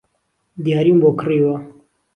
دیاریم بۆ کڕیوە